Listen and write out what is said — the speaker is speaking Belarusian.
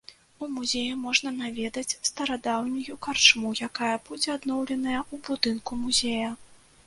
У музеі можна наведаць старадаўнюю карчму, якая будзе адноўленая ў будынку музея.